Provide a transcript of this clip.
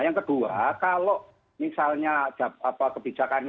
yang kedua kalau misalnya kebijakan ini